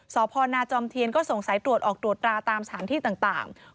สพนาจอมเทียนก็ส่งสายตรวจออกตรวจตราตามสถานที่ต่าง